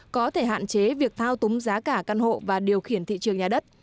có thể hạn chế việc thao túng giá cả căn hộ và điều khiển thị trường nhà đất